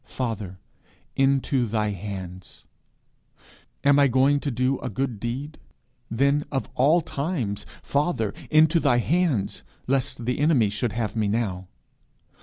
Father, into thy hands. Am I going to do a good deed? Then, of all times, Father, into thy hands; lest the enemy should have me now.